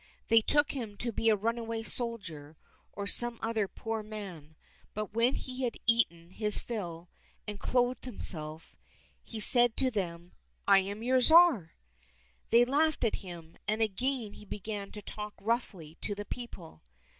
They took him to be a runaway soldier, or some other poor man, but when he had eaten his fill and clothed him self, he said to them, "I am your Tsar !" They laughed at him, and again he began to talk roughly to the people.